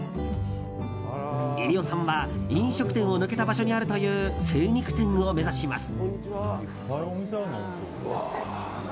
飯尾さんは、飲食店を抜けた場所にあるという精肉店を目指します。